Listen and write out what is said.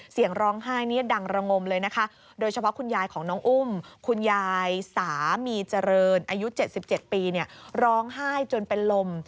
เสียงร้องไห้ดังระงมเลยนะคะโดยเฉพาะคุณยายของน้องอุ้มคุณยายสามีเจริญอายุ๗๗ปีร้องไห้จนเป็นลม